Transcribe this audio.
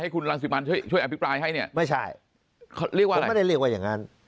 ให้คุณลังศิพรรณช่วยอภิกรายให้เนี่ยไม่ใช่ผมไม่ได้เรียกว่าอย่างนั้น